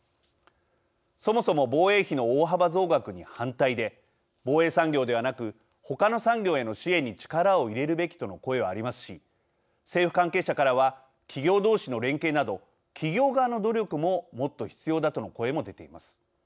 そもそも防衛費の大幅増額に反対で防衛産業ではなく他の産業への支援に力を入れるべきとの声はありますし政府関係者からは企業同士の連携など企業側の努力も、もっと必要だとの声も出ています。